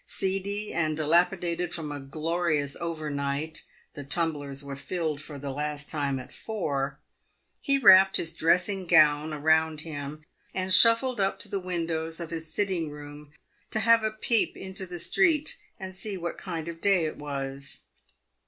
Seedy and dilapidated from a glorious overnight (the tumblers were filled for the last time at four), he wrapped his dressing gown around him, and shuffled up to the windows of his sitting room to have a peep into the street and see what kind of day it was.